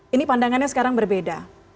ini pandangannya sekarang berbeda